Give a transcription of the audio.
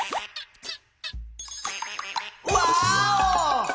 ワーオ！